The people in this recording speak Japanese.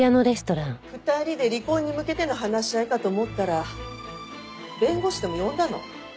２人で離婚に向けての話し合いかと思ったら弁護士でも呼んだの？